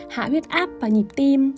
hạ huyết áp và nhịp tim